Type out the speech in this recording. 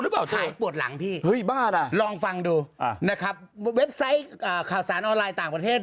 ขายปวดหลังพี่ลองฟังดูนะครับเว็บไซต์ข่าวสารออนไลน์ต่างประเทศ